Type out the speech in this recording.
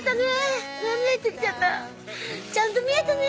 ちゃんと見えたね。